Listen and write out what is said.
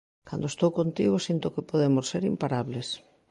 Cando estou contigo sinto que podemos ser imparables